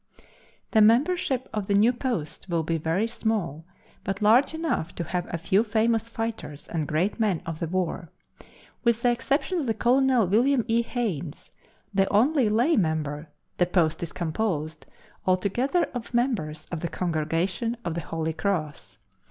The membership of the new post will be very small, but large enough to have a few famous fighters and great men of the war. With the exception of Colonel William E. Haynes, the only lay member, the post is composed altogether of members of the congregation of the Holy Cross.